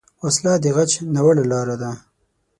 وسله د غچ ناوړه لاره ده